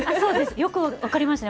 よく分かりましたね。